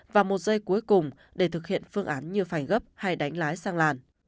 và một giây cuối cùng để thực hiện phương án như phải gấp hay đánh lái sang làn